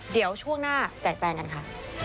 เดี๋ยวช่วงหน้าแจกแจงกันค่ะ